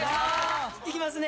いきますね。